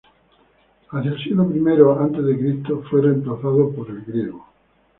Hacia el siglo I a. C. fue reemplazado por el griego.